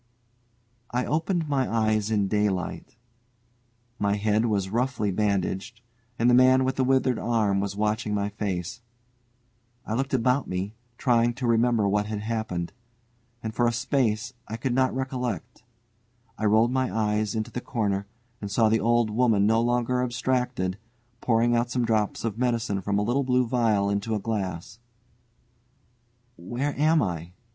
I opened my eyes in daylight. My head was roughly bandaged, and the man with the withered arm was watching my face. I looked about me, trying to remember what had happened, and for a space I could not recollect. I rolled my eyes into the corner, and saw the old woman, no longer abstracted, pouring out some drops of medicine from a little blue phial into a glass. "Where am I?"